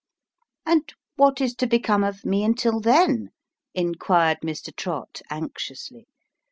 " And what is to become of mo until then ?" inquired Mr. Trott, anxiously.